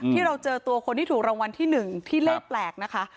ที่เราเจอตัวคนที่ถูกรางวัลที่๑ที่เลขแปลกนะคะ